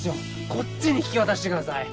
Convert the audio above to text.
こっちに引き渡してください。